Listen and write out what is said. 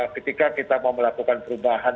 ketika kita mau melakukan perubahan